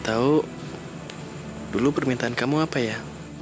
tahu dulu permintaan kamu apa ya